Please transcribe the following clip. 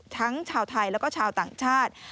ทั้งชาวไทยแล้วก็ชาวต่างชาติ